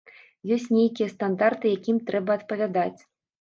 Ёсць нейкія стандарты, якім трэба адпавядаць.